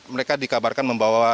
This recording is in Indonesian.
mereka dikabarkan membawa